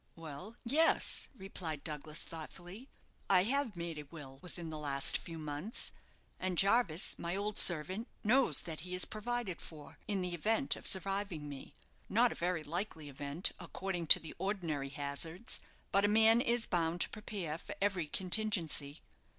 "Well, yes," replied Douglas, thoughtfully; "I have made a will within the last few months, and Jarvis, my old servant knows that he is provided for, in the event of surviving me not a very likely event, according to the ordinary hazards; but a man is bound to prepare for every contingency."